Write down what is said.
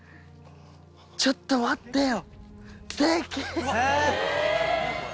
ちょっと待ってよ。